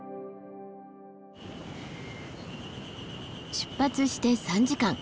出発して３時間。